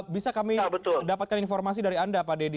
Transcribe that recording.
bisa kami dapatkan informasi dari anda pak deddy